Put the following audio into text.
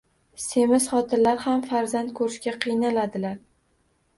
Semiz xotinlar ham farzand ko'rishga qiynaladilar.